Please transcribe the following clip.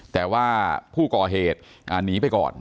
แต่ว่าผู้ก่อเหตุหนีไปก่อน